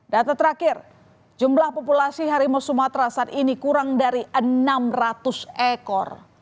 data terakhir jumlah populasi harimau sumatera saat ini kurang dari enam ratus ekor